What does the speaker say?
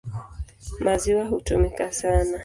Maziwa hutumika sana.